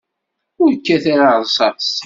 Ur kkat ara ṛṛṣaṣ!